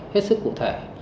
hết sức cụ thể